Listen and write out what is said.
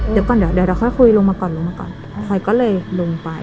เดี๋ยวก่อนเดี๋ยวเดี๋ยวค่อยคุยลงมาก่อนลงมาก่อนคอยก็เลยลงไป